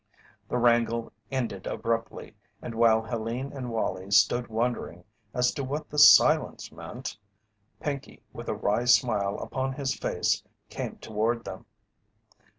The wrangle ended abruptly, and while Helene and Wallie stood wondering as to what the silence meant, Pinkey with a wry smile upon his face came toward them.